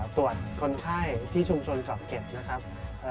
ตรวจคนไข้ที่ชุมชนเกาะเก็ตนะครับ